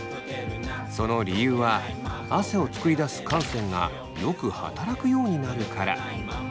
その理由は汗を作り出す汗腺がよく働くようになるから。